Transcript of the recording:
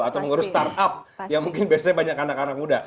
atau mengurus startup yang mungkin biasanya banyak anak anak muda